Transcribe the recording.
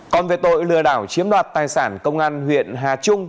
còn về tội lừa đảo chiếm đoạt tài sản công an huyện hà trung